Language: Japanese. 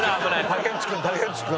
竹内君竹内君。